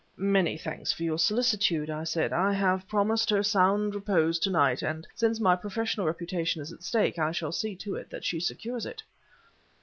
"Many thanks for your solicitude," I said; "I have promised her sound repose to night, and since my professional reputation is at stake, I shall see that she secures it."